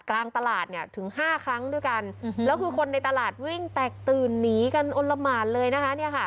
กลางตลาดเนี่ยถึงห้าครั้งด้วยกันแล้วคือคนในตลาดวิ่งแตกตื่นหนีกันอลละหมานเลยนะคะเนี่ยค่ะ